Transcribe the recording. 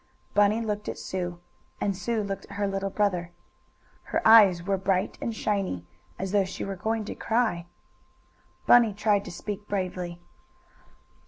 Bunny looked at Sue, and Sue looked at her little brother. Her eyes were bright and shiny, as though she were going to cry. Bunny tried to speak bravely.